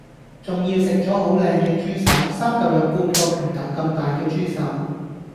仲要食左好靚既豬手三舊有半個拳頭咁大既豬手